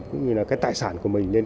cũng như là cái tài sản của mình